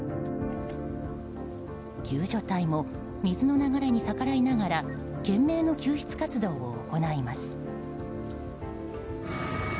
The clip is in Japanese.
救助隊も水の流れに逆らいながら懸命の救出活動を行います。